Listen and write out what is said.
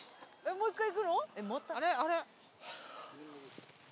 もう１回いくの？